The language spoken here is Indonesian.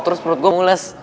terus perut gue mulus